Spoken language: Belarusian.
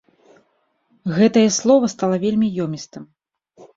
Гэтае слова стала вельмі ёмістым.